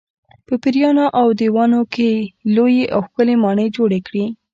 په پېریانو او دیوانو یې لویې او ښکلې ماڼۍ جوړې کړې.